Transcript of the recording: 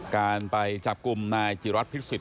การไปจับกุมนายจิรัตฯผิดสุด